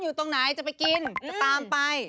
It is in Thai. อยู่ตรงไหนจะไปกินจะตามไป